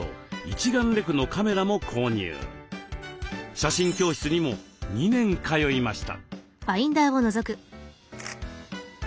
写真教室にも２年通いました。